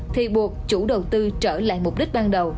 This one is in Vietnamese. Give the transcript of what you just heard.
thì buộc chủ đầu tư trở lại mục đích ban đầu